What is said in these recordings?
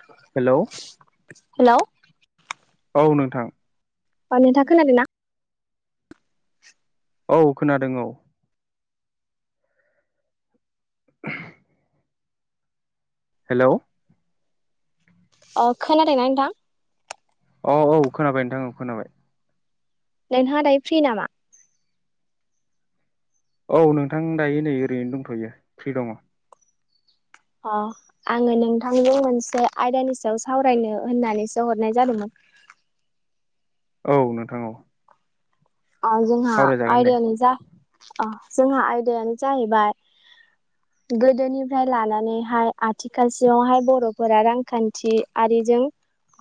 [inaudible] Hello hello औ नोंथां। अ नोंथाङा खोनादों ना? औ खोनादों औ। [inaudible] हेल' अ खोनादोंना नोंथां? औ औ खोनाबाय नोंथां औ खोनाबाय। नोंथाङा दायो फ्रि नामा? औ नोंथां दायो नै ओरैनो दंथ'यो फ्रि दङ। अह आङो नोंथांजों मोनसे आयदानि सायाव सावरायनो होननानैसो हरनाय जादोंमोन औ नोंथां औ जोंहा सावरायजागोन दे आयदायानो जा जोंहा आयदायानो जाहैबाय [inaudible] गोदोनिफ्राय लानानैहाय आथिखालसिआवहाय बर'फोरा रांखान्थि आरिजों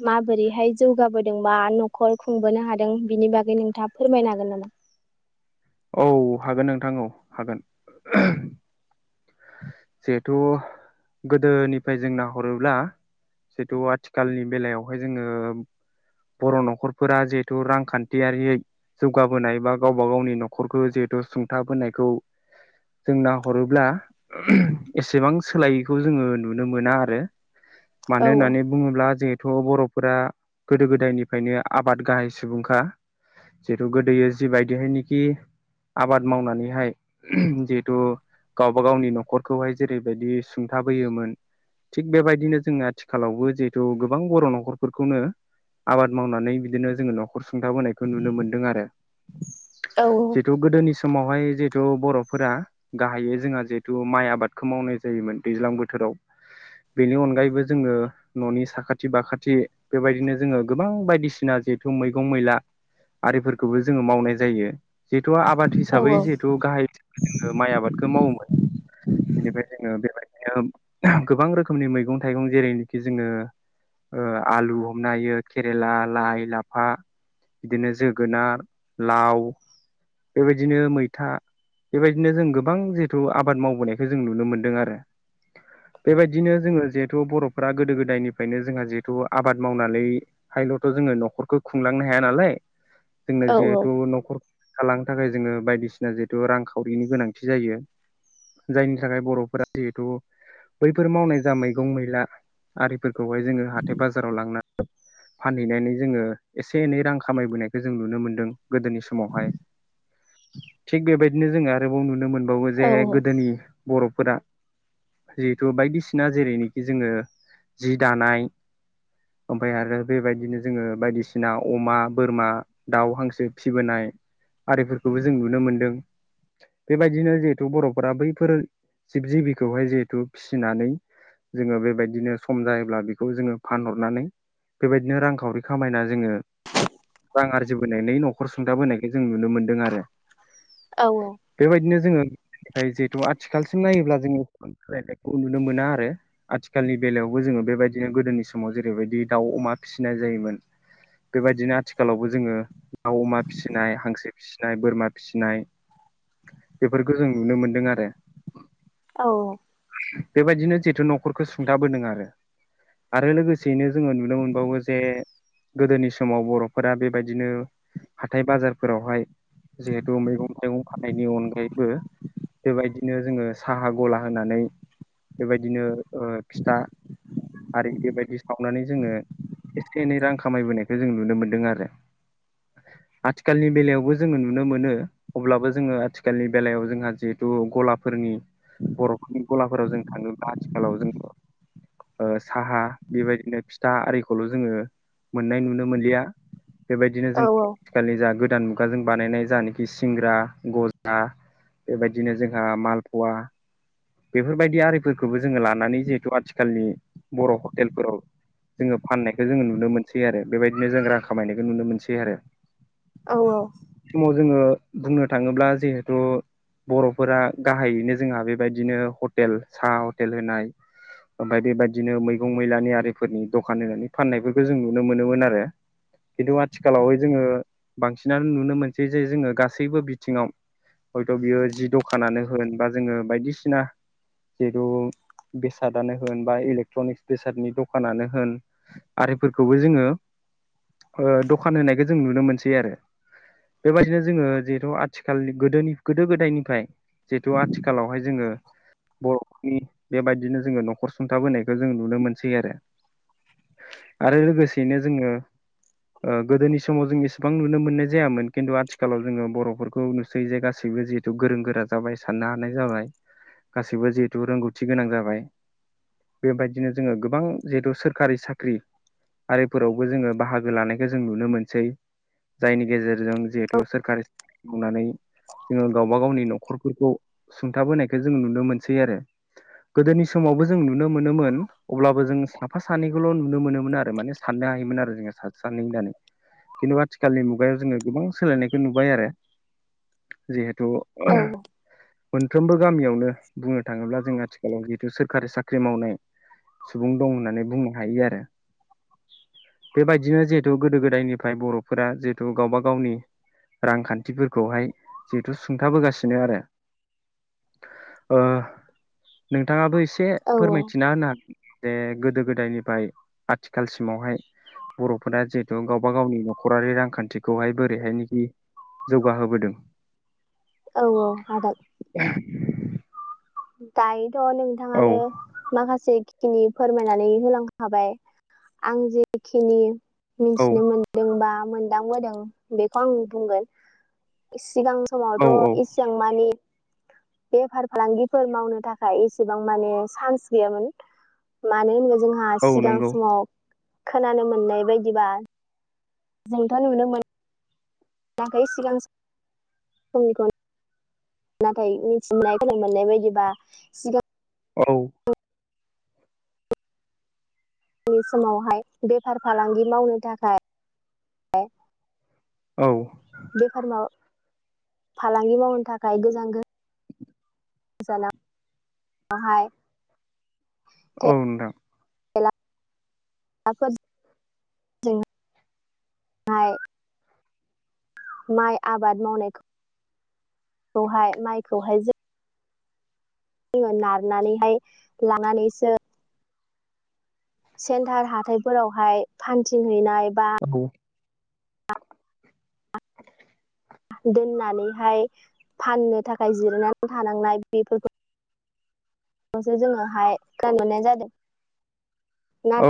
माबोरैहाय जौगाबोदोंबा न'खर खुंबोनो हादों बिनि बागै नोंथाङा फोरमायनो हागोन नामा औ हागोन नोंथां औ हागोन जिहेथु गोदोनिफ्राय जों नाहरोब्ला जिहेतु आथिखालनि बेलायावहाय जोङो बर' न'खरफोरा जिहेथु रांखान्थियारियै जौगाबोनाय बा गावबा गावनि न'खरखौ जिहेथु सुंथाबोनायखौ जों नाहरोब्ला एसेबां सोलायैखौ जोङो नुनो मोना आरो औ मानो होननानै बुङोब्ला जिहेथु बर'फोरा गोदो गोदायनिफ्रायनो आबाद गाहाय सुबुंखा जिहेतु गोदोयो जिबायदिहाय नाखि आबाद मावनानैहाय जिहेथु गावबा गावनि न' नखरखौहाय जेरैबायदि सुंथाबोयोमोन थिग बेबायदिनो जोंङो आथिखालावबो जिहेथु गोबां बर' न'खरफोरखौनो आबाद मावनानै बिदिनो जोङो न'खर सुंथाबोनायखौ नुनो मोनदों आरो औ जिहेतु गोदोनि समावहाय जिहेथु बर'फोरा गाहायै जोंहा जे तु माइ आबादखौ मावनाय जायोमोन दैज्लां बोथोराव बेनि अनगायैबो जोङो न'नि साखाथि बाखाथि बेबायदिनो जोङो गोबां बायदिसिना जिहेथु मैगं मैला आरिफोरखौबो जोङो मावनाय जायो जिहेथु आबाद औ हिसाबै जिहेथु गाहाय हिसाबै जोङो माइ आबादखौ मावोमोन बेनिफ्राय जोङो बेबायदिनो गोबां रोखोमनि मैगं थाइगं जेरैनोखि जोङो आलु हमनो हायो केरेला लाइ लाफा बिदिनो जोगोनार लाव बेबायदिनो मैथा बेबायदिनो जों गोबां जिहेथु आबाद मावबोनायखौ जों नुनो मोन्दों आरो बेबायदिनो जोङो जिहेथु बर'फोरा गोदो गोदायनिफ्रायनो जोंहा जिहेथु आबाद मावनानै हायल'थ' जोङो न'खरखौ खुंलांनो हाया नालाय जोंनो औ जिहेथु न'खर खांलांनो थाखाय जोङो बायदिसिना जिहेतु रांखावरिनि गोनांथि जायो जायनि थाखाय बर'फोरा जिहेथु बैफोर मावनाय जा मैगं मैला आरिफोरखौहाय जोङो हाथाय बाजाराव लांनानै फानहैनानै जोङो एसे एनै रां खामायबोनायखौ जों नुनो मोन्दों गोदोनि समावहाय थिग बेबायदिनो जोङो आरोबाव नुनो मोनबावो औ जे गोदोनि बर'फोरा जिहेथु बायदिसिना जेरैनिखि जोङो जि दानाय ओमफ्राय आरो बेबायदिनो जोङो बायदिसिना अमा बोरमा दाउ हांसो फिबोनाय आरिफोरखौबो जों नुनो मोनदों बेबायदिनो जिहेथु बर'फोरा बैफोर जिब जिबिखौहाय जिहेथु फिसिनानै जोङो बेबायदिनो सम जायोब्ला बेखौ जोङो फानहरनानै बेबायदिनो रांखावरि खामायना जोङो रां आरजिबोनानै न'खर सुंथाबोनायखौ जों नुनो मोनदों आरो औ बेबायदिनो जोङो जिहेथु आथिखालसिम नायोब्ला जोङो [unintelligible] नुनो मोना आरो आथिखालनि बेलायावबो जोङो बेबायदिनो गोदोनि समाव जेरैबायदि दाउ अमा फिसिनाय जायोमोन बेबायदिनो आथिखालावबो जोङो दाउ अमा फिसि नाय हांसो फिसिनाय बोरमा फिसिनाय बेफोरखो जों नुनो मोन्दों आरो। औ। बेबायदिनो जिहेतु न'खरखौ सुंथाबोदों आरो। आरो लोगोसेयैनो जोङो नुनो मोनबावो जे गोदोनि समाव बर'फोरा बेबायदिनो थाय बाजारफोरावहाय जिहेथु मैगं थाइगं फाननायनि अनगायैबो बेबायदिनो जोङो साहा गला होनानै बेबायदिनो ओ फिथा आरि बेबायदि सावनानै जोङो एसे एनै रां खामायबोनायखो जों नुनो मोन्दों आरो। आथिखालनि बेलायावबो जोङो नुनो मोनो अब्लाबो जोङो आथिखालनि बेलायाव जोंहा जिहेथु गलाफोरनि बर'फोरनि गलाफोराव जों थाङोब्ला आथिखालाव जोंखौ ओ साहा बेबायदिनो फिथा आरिखौल' जोङो मोननाय नुनो मोनलिया। बेबायदिनो जों औ थिखालनि जा गोदान मुगाजों बानायनाय जानिखि सिंग्रा गजा बेबायदिनो जोंहा मालपवा बेफोरबायदि आरिफोरखौबो जोङो लानानै जिहेथु आथिखालनि बर' हटेलफोराव जोङो फाननायखो जोङो नुनो मोनसै आरो बेबायदिनो जों रां खामायनायखो नुनो मोनसै आरो। औ औ। सोमाव जोङो बुंनो थाङोब्ला जिहेथु बर'फोरा गाहायैनो जोंहा बेबाद दिनो हटेल साहा हटेल होनाय ओमफ्राय बेबायदिनो मैगं मैलानि आरिफोरनि दखान होनानै फाननायफोरखौ जों नुनो मोनोमोन आरो। खिदु आथिखालावहाय जोङो बांसिनानो नुनो मोनसै जे जोङो गासैबो बिथिङाव हयथ' बियो जि दखानानो होन बा जोङो बायदिसिना जिहेतु बेसादानो होन बा इलेक्ट्रनिक्स बेसादनि दखानानो होन आरिफोरखौबो जोङो ओ दखान होनायखो जों नुनो मोनसै आरो। बेबायदिनो जोङो जिहेथु आथिखालनि गोदोनि गोदो गोदायनिफाय जिहेतु आथिखालावहाय जोङो बर'नि बेबायदिनो जोङो न'खर सुंथाबोनायखो जों नुनो मोनसै आरो। आरो लोगोसेयैनो जोङो ओ गोदोनि समाव जों एसेबां नुनो मोननाय जायामोन खिन्थु आथिखालाव जोङो बर'फोरखौ नुसै जे गासैबो जि थु गोरों गोरा जाबाय साननो हानाय जाबाय गासैबो जिहेथु रोंगौथि गोनां जाबाय। बेबायदिनो जोङो गोबां जिहेथु सोरखारि साख्रि आरिफोरावबो जोङो बाहागो लानायखो जों नुनो मोनसै। जायनि गेजेरजों जिहेथु सोरखारि खुंनानै जोङो गावबा गावनि न'खरफोरखौ सुंथाबोनायखो जोङो नुनो मोनसै आरो। गोदोनि समावबो जों नुनो मोनोमोन। अब्लाबो जों साफा सानैखौल' नुनो मोनोमोन आरो माने साननो हायोमोन आरो जोङो सासे सानै होननानै। खिन्थु आथिखालनि मुगायाव जोङो गोबां सोलायनायखो नुबाय आरो जिहेथु औ। मोनफ्रोमबो गामियावनो बुंनो थाङोब्ला जों आथिखालाव जिहेतु सोरखारि साख्रि मावनो सुबुं दं होननानै बुंनो हायो आरो। बेबायदिनो जिहेथु गोदो गोदायनिफ्राय बर'फोरा जिहेतु गावबा गावनि रांखान्थिफोरखौहाय जिहेथु सुंथाबोगासिनो आरो। ओ नोंथाङाबो एसे औ फोरमायथिना होना जे गोदो गोदायनिफाय आथिखालसिमावहाय बर'फोरा जिहेतु गावबा गावनि न'खरारि रांखान्थिखौहाय बोरैहायनोखि जौगाहोबोदों औ औ हागोन। [unintelligible] दायोथ' औ नोंथाङानो माखासेखिनि फोरमायनानै होलां खाबाय आं जेखिनि औ मिथिनो मोनदों बा मोनदांबोदों बेखौ आं बुंगोन सिगां औ समावथ' औ इसां मानि बेफार फालांगिफोर मावनो थाखाय एसेबां माने चान्स गैयामोन मानो होनोबा जों हा औ सिगां नंगौ समाव खोनानो मोननाय बायदिबा जोंथ' नुनो मोनाखै सिगां समनिखौनो नाथाय मिथिनाय खोनानो मोननाय बायदिबा सिगां औ नि समावहाय बेफार फालांगि मावनो थाखाय औ बेफार फालांगि मावनो थाखाय गोजान गोजान गोजानावहाय औ नोंथां [unintelligible] माइ आबाद मावनायखौहाय माइखौहाय जों जोङो नारनानैहाय लानानैसो सेन्टार हाथायफोरावहाय फान्थिं हैैनाय बा औ दोननानैहाय फाननो थाखाय जिरायनानै थानांनाय बेफोरखौ खौसो जोङो हाय खोनानो मोननाय जादों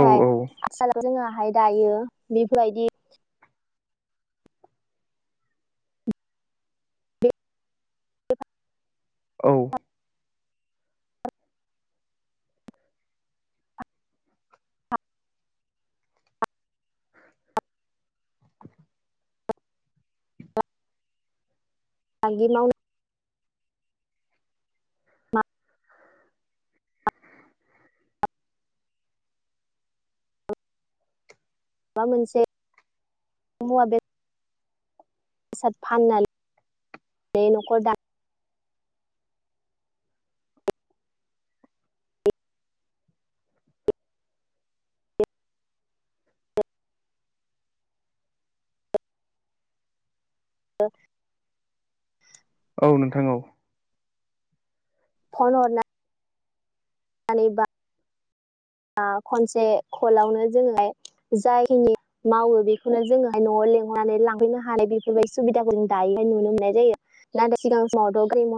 औ औ [unintelligible] जोंङोहाय दायो बेफोरबायदि औ [unintelligible] मावनो माबा मोनसे मुवा बे साद फाननानै न'खर दा नो औ नोंथां औ फन हरनाय नानै बा खनसे कलावनो जोङो जायखिनि मावो बेखौनो जोङोहाय न'आव लेंहरनानै लांफैनो हानाय बेफोरबायदि सुबिदाखौ जों दायोहाय नुनो मोननाय जायो नाथाय सिगां समावथ' गारि म